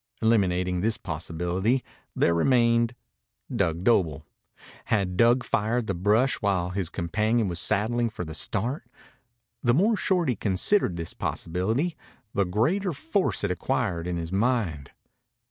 Eliminating this possibility, there remained Dug Doble. Had Dug fired the brush while his companion was saddling for the start? The more Shorty considered this possibility, the greater force it acquired in his mind.